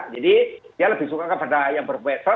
jadi dia lebih suka kepada yang ber medsos